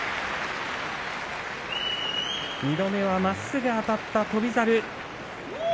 ２度目はまっすぐあたった翔猿。